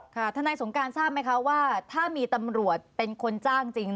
ทนายสงการทราบไหมคะว่าถ้ามีตำรวจเป็นคนจ้างจริง